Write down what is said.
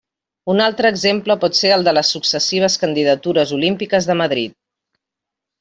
Un altre exemple pot ser el de les successives candidatures olímpiques de Madrid.